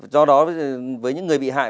do đó với những người bị hại